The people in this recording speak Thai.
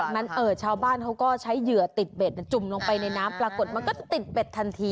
ชาวบ้านเขาก็ใช้เหยื่อติดเบ็ดจุ่มลงไปในน้ำปรากฏมันก็ติดเบ็ดทันที